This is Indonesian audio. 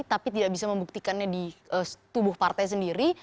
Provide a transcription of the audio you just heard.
tapi tidak bisa membuktikannya di tubuh partai sendiri